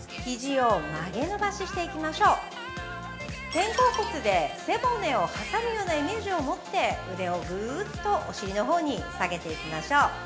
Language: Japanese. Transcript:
肩甲骨で背骨を挟むようなイメージを持って腕をぐっとお尻のほうに下げていきましょう。